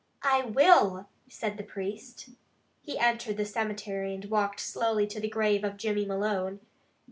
"I will!" said the priest. He entered the cemetery, and walked slowly to the grave of Jimmy Malone.